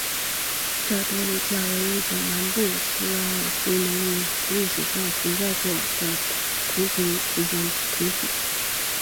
札德鲁加为一种南部斯拉夫民族历史上存在过的乡村共同体。